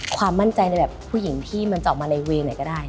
ความมั่นใจในแบบผู้หญิงที่มันจะออกมาในเวย์ไหนก็ได้